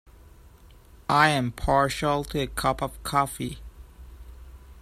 I am partial to a cup of coffee.